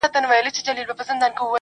او خپله پوهه زیاتولای شي